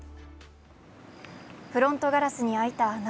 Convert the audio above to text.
フロントガラスにあいた穴。